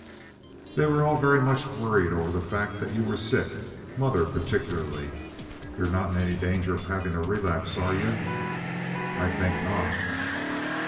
"They were all very much worried over the fact that you were sick—mother particularly. You're not in any danger of having a relapse, are you?" "I think not."